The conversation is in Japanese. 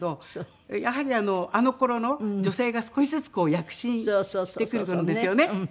やはりあの頃の女性が少しずつ躍進してくる頃ですよね。